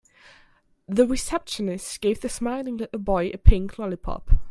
The receptionist gave the smiling little boy a pink lollipop.